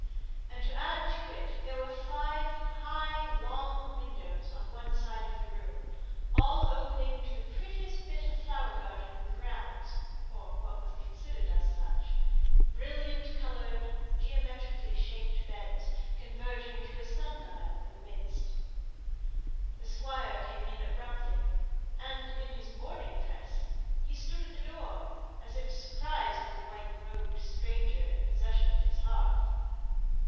And to add to it, there were five high, long windows on one side of the room, all opening to the prettiest bit of flower garden in the grounds or what was considered as such brilliant coloured, geometrically shaped beds, converging to a sun dial in the midst. The Squire came in abruptly, and in his morning dress; he stood at the door, as if surprised at the white robed stranger in possession of his hearth.